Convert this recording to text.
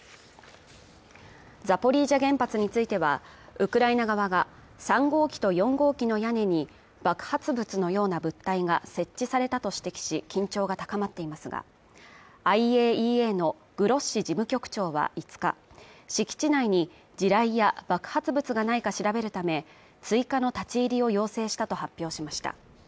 ザポリージャ原発については、ウクライナ側が３号機と４号機の屋根に爆発物のような物体が設置されたと指摘し、緊張が高まっていますが、ＩＡＥＡのグロッシ事務局長は５日、敷地内に地雷や爆発物がないか調べるため、追加の立ち入りを要請したと発表しました。